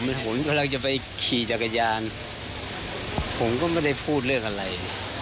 ผมกำลังจะไปขี่จักรยานผมก็ไม่ได้พูดเรื่องอะไร